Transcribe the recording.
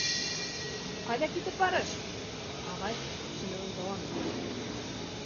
— Ҡайҙа китеп барыш? — ағай төпсөнөүен дауам итте.